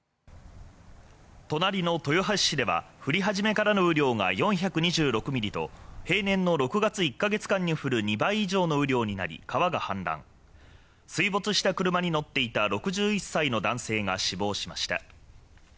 隣の豊橋市では、降り始めからの雨量が４２６ミリと平年の６月１カ月間に降る２倍以上の雨量になり、川が氾濫。水没した車に乗っていた６１歳の男性が死亡しました。